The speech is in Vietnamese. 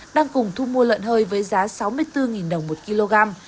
đang cùng thu mua lợn hơi với giá sáu mươi bốn đồng một kg